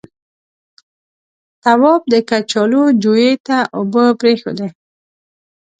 تواب د کچالو جويې ته اوبه پرېښودې.